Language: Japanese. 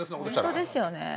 本当ですよね。